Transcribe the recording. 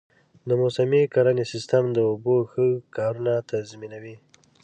د موسمي کرنې سیستم د اوبو ښه کارونه تضمینوي.